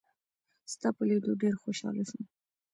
ستا په لیدو ډېر خوشاله شوم.